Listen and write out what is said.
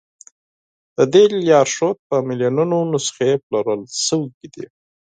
د دې لارښود په میلیونونو نسخې پلورل شوي دي.